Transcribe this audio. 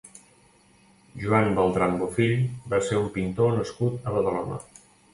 Joan Beltran Bofill va ser un pintor nascut a Badalona.